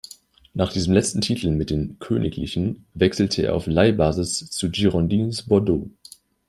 Nach diesem letzten Titel mit den "Königlichen" wechselte er auf Leihbasis zu Girondins Bordeaux.